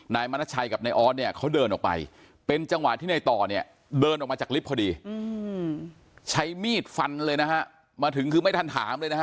นายมณชัยกับนายออสเนี่ยเขาเดินออกไปเป็นจังหวะที่ในต่อเนี่ยเดินออกมาจากลิฟต์พอดีใช้มีดฟันเลยนะฮะมาถึงคือไม่ทันถามเลยนะฮะ